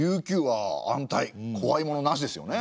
こわいものなしですよね。